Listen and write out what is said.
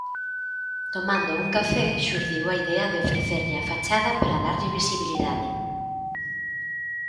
Tomando un café xurdiu a idea de ofrecerlle a fachada para darlle visibilidade.